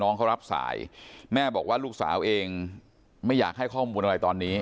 น้องเขารับสายแม่บอกว่าลูกสาวเองไม่อยากให้ข้อมูลอะไรตอนนี้